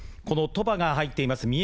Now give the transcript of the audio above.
この鳥羽が入っています